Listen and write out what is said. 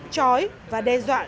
chói và đe dọa